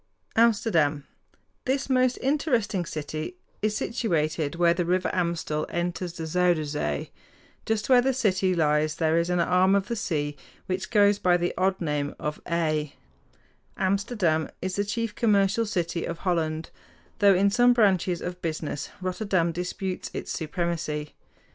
AMSTERDAM This most interesting city is situated where the River Amstel enters the Zuyder Zee (zy´ der zee; Danish, zoi´ der zay). Just where the city lies there is an arm of the sea which goes by the odd name of Y or Ij (pronounced eye). Amsterdam is the chief commercial city of Holland; though in some branches of business Rotterdam disputes its supremacy.